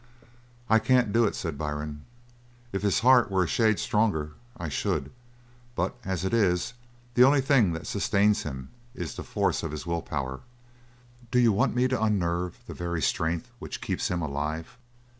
"I can't do it," said Byrne. "If his heart were a shade stronger, I should. But as it is, the only thing that sustains him is the force of his will power. Do you want me to unnerve the very strength which keeps him alive?"